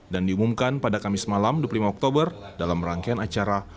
dan diumumkan pada kamis malam dua puluh lima oktober dalam rangkaian acara